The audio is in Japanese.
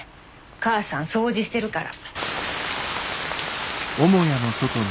母さん掃除してるから。